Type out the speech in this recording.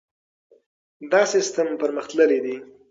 دا سیستم پرمختللی دی.